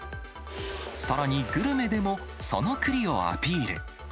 さらにグルメでも、そのくりをアピール。